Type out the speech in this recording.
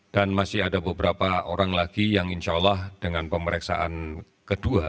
dan masih ada beberapa orang lagi yang insyaallah dengan pemeriksaan kedua